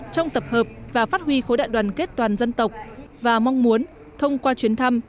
trong tập hợp và phát huy khối đại đoàn kết toàn dân tộc và mong muốn thông qua chuyến thăm